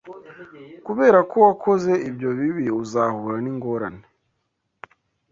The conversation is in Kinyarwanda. kubera ko wakoze ibyo bibi uzahura n’ingorane